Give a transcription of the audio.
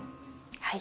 はい。